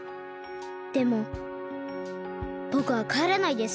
でもぼくはかえらないです。